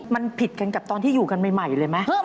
มันผิดกันกับตอนที่อยู่กันใหม่เลยไหม